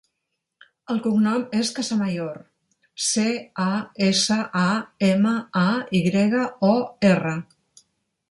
El cognom és Casamayor: ce, a, essa, a, ema, a, i grega, o, erra.